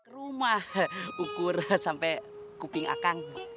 rumah ukur sampai kuping akang